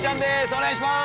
お願いします！